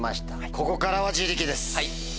ここからは自力です。